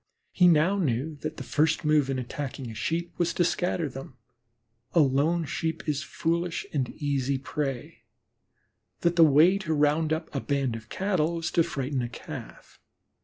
He now knew that the first move in attacking Sheep was to scatter them; a lone Sheep is a foolish and easy prey; that the way to round up a band of Cattle was to frighten a Calf.